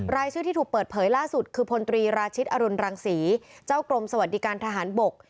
รายชื่อที่ถูกเปิดเผยล่าสุดคือพลตรีราชิตอรุณรังศรีเจ้ากรมสวัสดิการทหารบก